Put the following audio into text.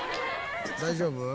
大丈夫？